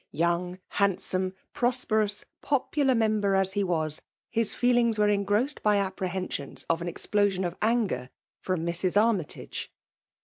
Young, handsome, pf^perous, popular memher as he was, his feeliags were engrofssed by apprehensions of An explosion of anger from Mrs. Armytage.